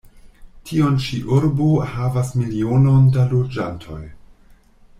Tiu ĉi urbo havas milionon da loĝantoj.